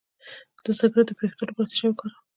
د سګرټ د پرېښودو لپاره څه شی وکاروم؟